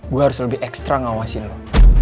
gue harus lebih ekstra ngawasin lo